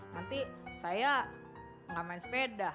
nanti saya nggak main sepeda